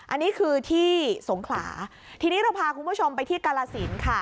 อันนี้คือที่สงขลาทีนี้เราพาคุณผู้ชมไปที่กาลสินค่ะ